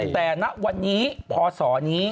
แต่ณวันนี้พศนี้